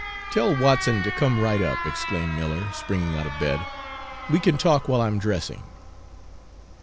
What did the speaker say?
"Tell Watson to come right up," exclaimed Miller, springing out of bed. "We can talk while I'm dressing."